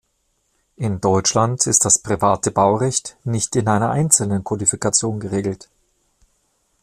In Deutschland ist das private Baurecht nicht in einer einzelnen Kodifikation geregelt.